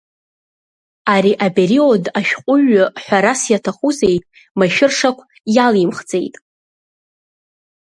Ари апериод ашәҟәыҩҩы, ҳәарас иаҭахузеи, машәыршақә иалимхӡеит.